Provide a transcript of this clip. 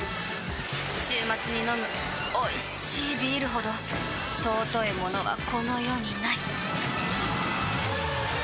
週末に飲むおいしいビールほど尊いものはこの世にない！